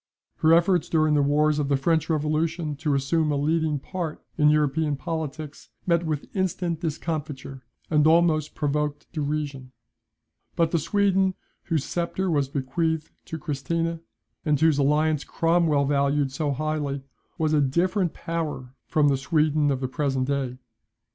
Her efforts during the wars of the French revolution to assume a leading part in European politics, met with instant discomfiture, and almost provoked derision. But the Sweden, whose sceptre was bequeathed to Christina, and whose alliance Cromwell valued so highly, was a different power from the Sweden of the present day.